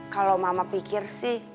kalau mama pikir sih